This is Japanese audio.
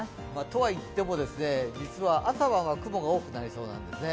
とはいっても、実は朝晩は雲が多くなりそうなんですね。